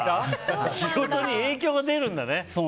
仕事に影響が出るんだね。